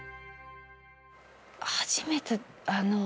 初めてあの。